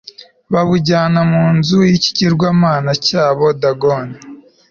babujyana mu nzu y'ikigirwamana cyabo dagoni